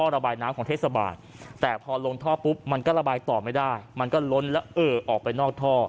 ระบายน้ำของเทศบาลแต่พอลงท่อปุ๊บมันก็ระบายต่อไม่ได้มันก็ล้นแล้วเออออกไปนอกท่อ